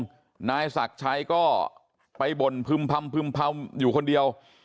แล้วนายศักดิ์ชัยก็ไปบ่นพึ่มพำอยู่คนเดียว